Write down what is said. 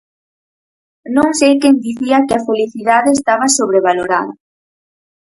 Non sei quen dicía que a felicidade estaba sobrevalorada.